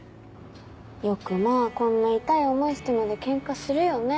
よくまあこんな痛い思いしてまでケンカするよね。